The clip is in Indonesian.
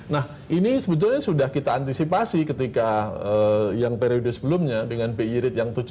nah ini sebetulnya sudah kita antisipasi ketika yang periode sebelumnya dengan bi rate yang tujuh puluh